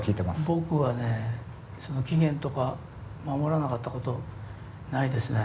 僕はね期限とか守らなかったことないですね。